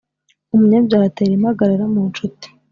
Umunyabyaha atera impagarara mu ncuti,